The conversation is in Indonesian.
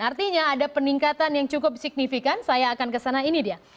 artinya ada peningkatan yang cukup signifikan saya akan kesana ini dia